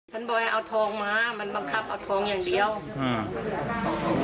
มันบอยเอาทองมามันบังคับเอาทองอย่างเดียวอืม